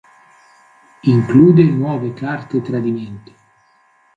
Include nuove Carte Tradimento.